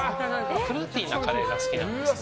フルーティーなカレーが好きなんですね。